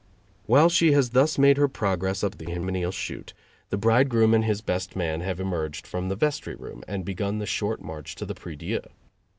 While she has thus made her progress up the hymeneal chute, the bridegroom and his best man have emerged from the vestryroom and begun the short march to the prie dieu.